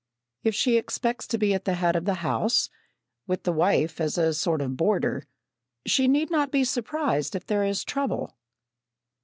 If she expects to be at the head of his house, with the wife as a sort of a boarder, she need not be surprised if there is trouble.